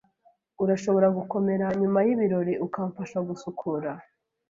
Urashobora gukomera nyuma yibirori ukamfasha gusukura?